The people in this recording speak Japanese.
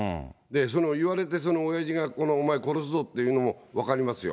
その言われて、その親父が、お前殺すぞって言うのも分かりますよ。